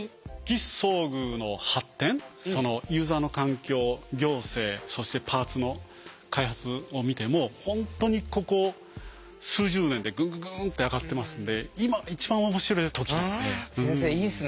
義肢装具の発展そのユーザーの環境行政そしてパーツの開発を見ても本当にここ数十年でグングングンって上がってますんで今一番面白い時なんで。